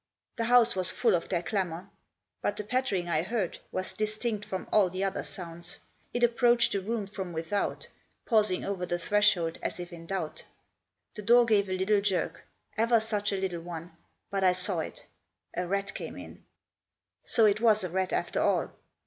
The house was full of their clamour. But the pattering I heard was distinct from all the other sounds. It approached the room from without, pausing over the threshold as if in doubt The door Digitized by A VISION OF THE NIGHT. 115 gave a little jerk, ever such a little one, but I saw it. A rat came in. So it was a rat after all.